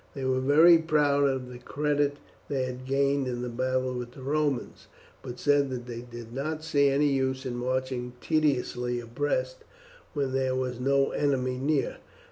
They were very proud of the credit they had gained in the battle with the Romans, but said that they did not see any use in marching tediously abreast when there was no enemy near.